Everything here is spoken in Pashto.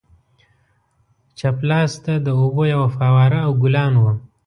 چپ لاسته د اوبو یوه فواره او ګلان وو.